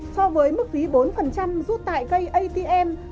so với mức phí bốn rút tại cây atm